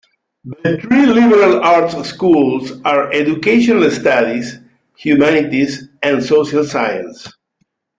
The three liberal arts schools are Educational Studies, Humanities, and Social Sciences.